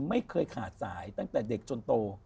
ไม่เคยขาดสายตั้งแต่เด็กจนโต